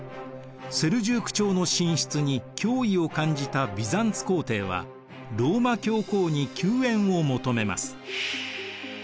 セルジューク朝の進出に脅威を感じたビザンツ皇帝はローマ教皇に救援を求めます。